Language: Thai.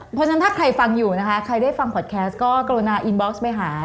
เพราะฉะนั้นถ้าใครฟังอยู่นะคะใครได้ฟังพอดแคสต์ก็กรุณาอินบ็อกซ์ไปหา